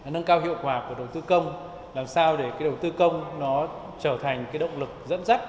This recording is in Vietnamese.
nâng cao hiệu quả của đầu tư công làm sao để đầu tư công trở thành động lực dẫn dắt